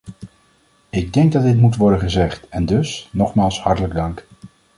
Ik denk dat dit moet worden gezegd, en dus, nogmaals, hartelijk dank.